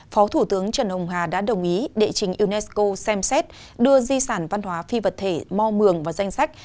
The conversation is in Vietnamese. phó thủ tướng trần hồng hà đã đồng ý đệ trình unesco xem xét đưa di sản văn hóa phi vật thể mò mường vào danh sách